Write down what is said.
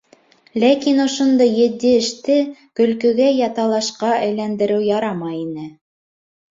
Ләкин ошондай етди эште көлкөгә йә талашҡа әйләндереү ярамай ине.